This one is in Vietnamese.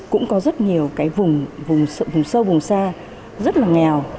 cũng có rất nhiều cái vùng sâu vùng xa rất là nghèo